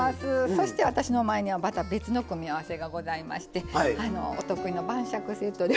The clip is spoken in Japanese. そして私の前にはまた別の組み合わせがございましてお得意の晩酌セットで。